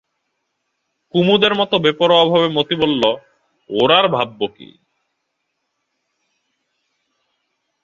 কুমুদের মতো বেপরোয়াভাবে মতি বলল, ওর আর ভাবব কী?